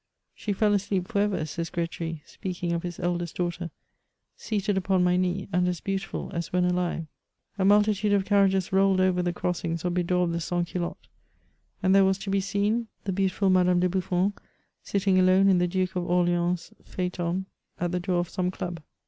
*^ She fell asleep for ever, says Gretry, speaking of his eldest daughter, *< seated upon my knee, and as beautiful as when alive.'' A multitude of carriages rolled over the crossings or bedaubed the sans culottes ; and there was to be seen the beautiful Madame VOL. I. B 222 MEMOIKS OF de Buffon sitting alone in the Dake of Orleans' phaeton at the door of some cluh.